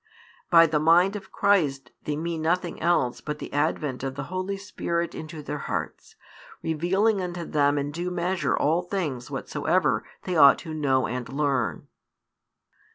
By the Mind of Christ they mean nothing else but the advent of the Holy Spirit into their hearts, revealing unto them in due measure all things whatsoever they ought to know and learn.